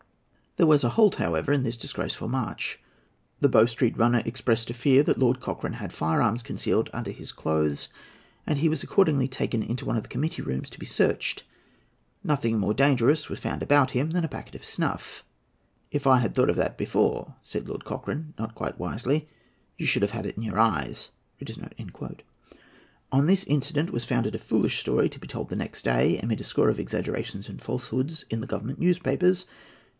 There was a halt, however, in this disgraceful march. The Bow Street runner expressed a fear that Lord Cochrane had firearms concealed under his clothes, and he was accordingly taken into one of the committee rooms to be searched. Nothing more dangerous was found about him than a packet of snuff. "If I had thought of that before," said Lord Cochrane, not quite wisely, "you should have had it in your eyes!" On this incident was founded a foolish story, to be told next day, amid a score of exaggerations and falsehoods, in the Government newspapers.